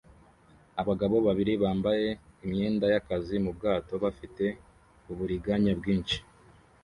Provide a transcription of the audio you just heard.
Abagabo babiri bambaye imyenda y'akazi mu bwato bafite uburiganya bwinshi